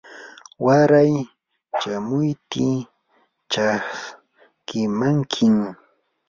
waray chamuptii chaskimankim.